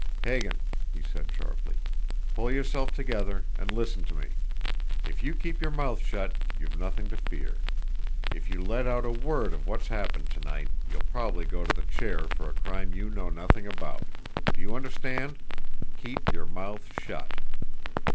"Hagan," he said sharply, "pull yourself together, and listen to me! If you keep your mouth shut, you've nothing to fear; if you let out a word of what's happened to night, you'll probably go to the chair for a crime you know nothing about. Do you understand? keep your mouth shut!"